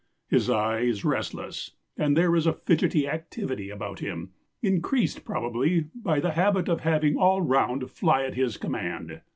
His eye is restless, and there is a fidgety activity about him, increased probably by the habit of having all round fly at his command."